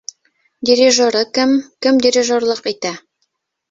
Дирижеры кем? Кем дирижерлыҡ итә?